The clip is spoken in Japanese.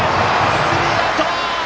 スリーアウト！